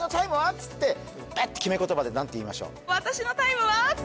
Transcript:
つってベッて決め言葉でなんて言いましょう？